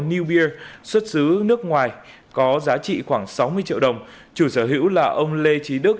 niubia xuất xứ nước ngoài có giá trị khoảng sáu mươi triệu đồng chủ sở hữu là ông lê trí đức